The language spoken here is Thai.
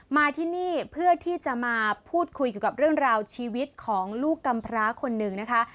มาที่นี่เพื่อที่จะมาพูดคุยเกี่ยวกับเรื่องราวชีวิตของลูกกำพร้าคนหนึ่งนะคะ